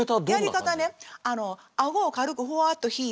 やり方ね顎を軽くふわっと引いて。